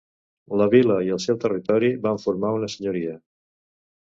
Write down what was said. La vila i el seu territori va formar una senyoria.